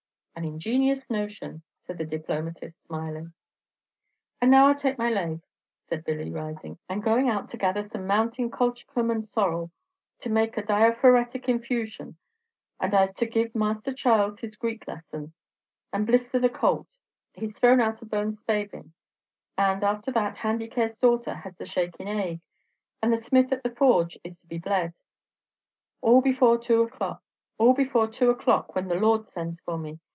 "An ingenious notion," said the diplomatist, smiling. "And now I 'll take my lave," said Billy, rising. "I'm going out to gather some mountain colchicum and sorrel, to make a diaphoretic infusion; and I've to give Master Charles his Greek lesson; and blister the colt, he's thrown out a bone spavin; and, after that, Handy Care's daughter has the shakin' ague, and the smith at the forge is to be bled, all before two o 'dock, when 'the lord' sends for me.